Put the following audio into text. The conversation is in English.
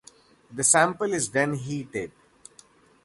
The sample is then heated.